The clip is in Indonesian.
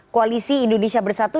koalisi indonesia bersatu